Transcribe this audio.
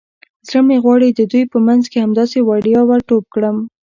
زړه مې غواړي د دوی په منځ کې همداسې وړیا ور ټوپ کړم.